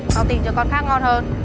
tao tìm cho con khác ngon hơn